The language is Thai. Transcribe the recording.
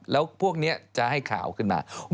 แล้วพวกนี้จะให้ข่าวขึ้นมา